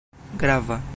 grava